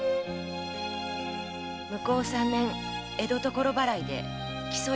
向こう三年江戸所払いで木曽屋を出ました。